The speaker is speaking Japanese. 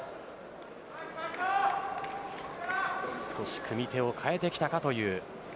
少し組み手を変えてきたかという。